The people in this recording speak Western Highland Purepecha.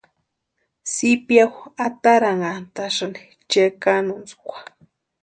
Zipiaju ataranhantʼasïni chekanuntskwa.